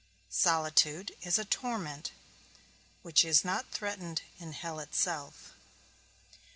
Solitude is a torment which is not threatened in hell itself.